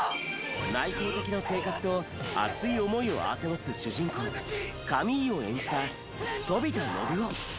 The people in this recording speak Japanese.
内向的な性格と熱い思いを併せ持つ主人公カミーユを演じた飛田展男。